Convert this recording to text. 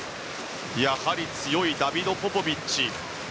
やはり強いダビド・ポポビッチ。